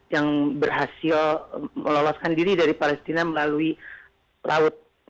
yang berhasil meloloskan diri dari palestina melalui laut